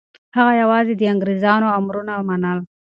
هغه یوازې د انګریزانو امرونه منل.